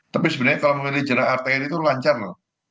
tapi sebenarnya kalau memilih jalan rtl itu lancar loh